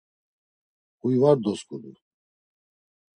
Huy var dosǩudu.